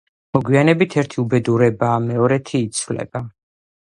მოგვიანებით ერთი უბედურება მეორეთი იცვლება.